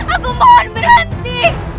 aku mohon berhenti